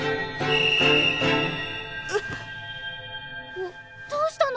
んどうしたの？